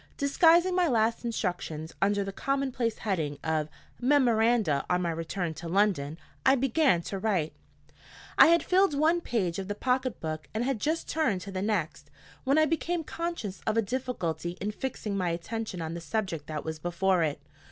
Disguising my last instructions under the commonplace heading of "Memoranda on my return to London," I began to write. I had filled one page of the pocket book, and had just turned to the next, when I became conscious of a difficulty in fixing my attention on the subject that was before it.